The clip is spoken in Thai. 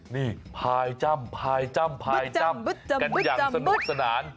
นี่พายจำกันอย่างสนุกสนาน